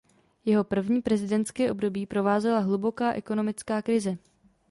Jeho první prezidentské období provázela hluboká ekonomická krize.